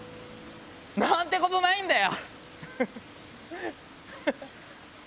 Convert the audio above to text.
何てことないんだよ！